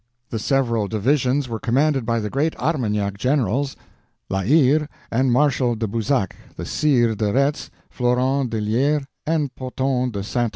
The several divisions were commanded by the great Armagnac generals, La Hire, and Marshal de Boussac, the Sire de Retz, Florent d'Illiers, and Poton de Saintrailles.